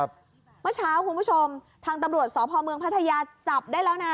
ครับมาเช้าคุณผู้ชมทางตำรวจสพพัทยาจับได้แล้วนะ